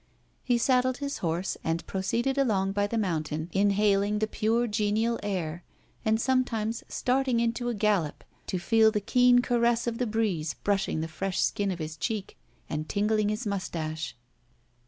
He saddled his horse, and proceeded along by the mountain, inhaling the pure, genial air, and sometimes starting into a gallop to feel the keen caress of the breeze brushing the fresh skin of his cheek and tickling his mustache.